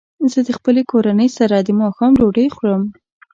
زه د خپلې کورنۍ سره د ماښام ډوډۍ خورم.